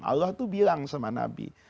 allah itu bilang sama nabi